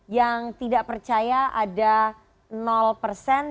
yang tidak percaya ada persen